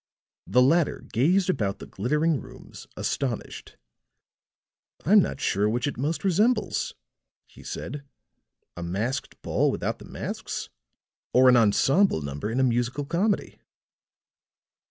The latter gazed about the glittering rooms, astonished. "I'm not sure which it most resembles," he said, "a masked ball without the masks, or an ensemble number in a musical comedy."